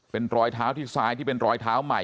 เป็นรอยเท้าที่ซ้ายที่เป็นรอยเท้าใหม่